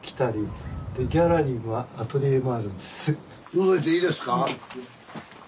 のぞいていいですか？